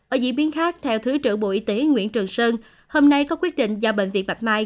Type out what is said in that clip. ở diễn biến khác theo thứ trưởng bộ y tế nguyễn trường sơn hôm nay có quyết định ra bệnh viện bạch mai